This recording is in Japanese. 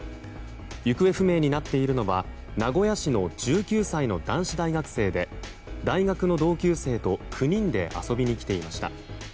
行方不明になっているのは名古屋市の１９歳の男子大学生で大学の同級生と９人で遊びに来ていました。